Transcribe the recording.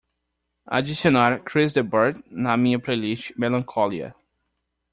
adicionar Chris de Burgh na minha playlist melancholia